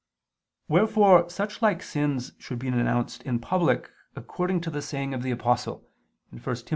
Wherefore such like sins should be denounced in public, according to the saying of the Apostle (1 Tim.